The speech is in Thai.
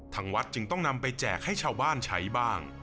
ทางวัดจึงต้องนำไปแจกให้ชาวบ้านใช้บ้าง